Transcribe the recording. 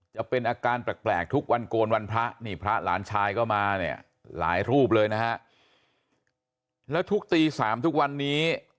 จะเป็นอาการแปลกทุกวันโกนวันพระนี่พระหลานชายก็มาเนี่ยหลายรูปเลยนะฮะแล้วทุกตี๓ทุกวันนี้